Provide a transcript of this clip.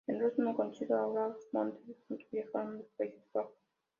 En Londres conoció a Claude Monet, y juntos viajaron a los Países Bajos.